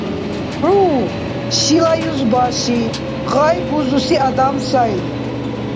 ХӀу, шила юзбаши, гъай бузуси адам сайри.